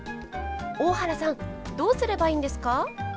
大原さんどうすればいいんですか？